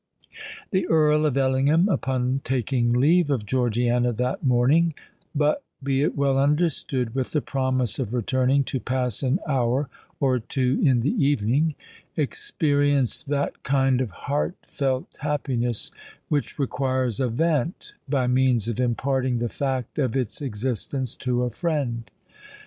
The Earl of Ellingham, upon taking leave of Georgiana that morning,—but, be it well understood, with the promise of returning to pass an hour or two in the evening,—experienced that kind of heart felt happiness which requires a vent by means of imparting the fact of its existence to a friend.